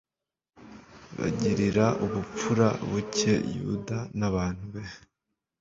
bagirira ubupfura buke yuda n'abantu be